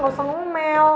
gak usah ngumel